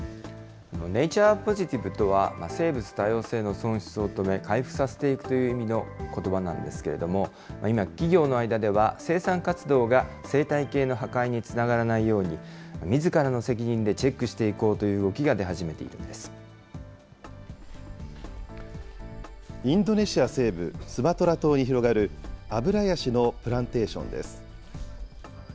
ネイチャーポジティブとは、生物多様性の損失を止め、回復させていくという意味のことばなんですけれども、今、企業の間では、生産活動が生態系の破壊につながらないように、みずからの責任でチェックしていこうという動きが出始めているんインドネシア西部スマトラ島に広がるアブラヤシのプランテーションです。